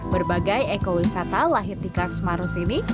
berbagai ekowisata lahir di carks maros ini